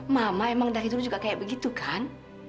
mama emang dari dulu juga kayak begitu kan